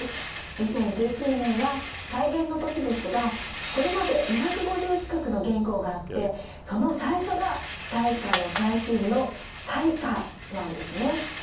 ２０１９年は改元の年ですがこれまで２５０近くの元号があってその最初が大化の改新の「大化」なんですね。